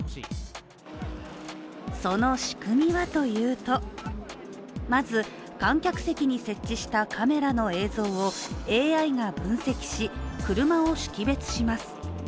その仕組みはというと、まず、観客席に設置したカメラの映像をＡＩが分析し、車を識別します。